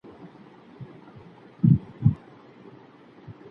ولي هڅاند سړی د لایق کس په پرتله هدف ترلاسه کوي؟